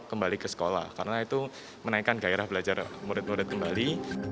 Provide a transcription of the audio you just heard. kembali ke sekolah karena itu menaikkan gairah belajar murid murid kembali